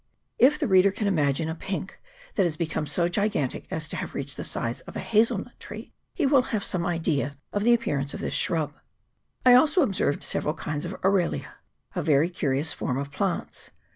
If the reader can ima gine a pink that has become so gigantic as to have reached the size of the hazel nut tree, he will have some idea of the appearance of this shrub. I also 400 ACTION OF WATER. [PART II. observed several kinds of Aralia, a very curious form of plants.